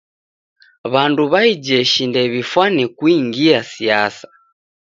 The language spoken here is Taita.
W'andu w'a ijeshi ndew'ifane kungia siasa.